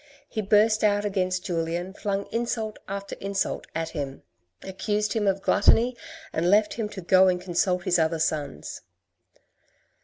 He burst out against Julien, flung insult after insult at him, zo THE RED AND THE BLACK accused him of gluttony, and left him to go and consult his other sons.